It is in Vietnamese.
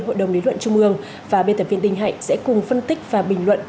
hội đồng lý luận trung ương và biên tập viên đình hạnh sẽ cùng phân tích và bình luận